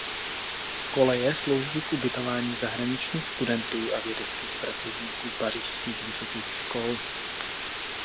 Koleje slouží k ubytování zahraničních studentů a vědeckých pracovníků pařížských vysokých škol.